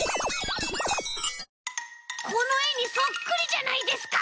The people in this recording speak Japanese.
このえにそっくりじゃないですか！